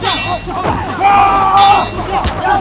kamu pwok temukan